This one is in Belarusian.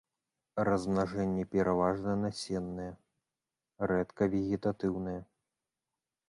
Размнажэнне пераважна насеннае, рэдка вегетатыўнае.